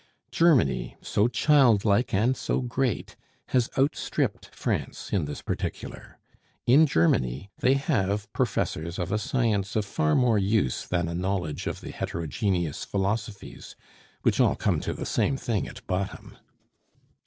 Germany, so childlike and so great, has outstripped France in this particular; in Germany they have professors of a science of far more use than a knowledge of the heterogeneous philosophies, which all come to the same thing at bottom.